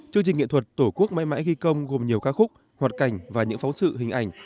chương trình nghệ thuật tổ quốc mãi mãi ghi công gồm nhiều ca khúc hoạt cảnh và những phóng sự hình ảnh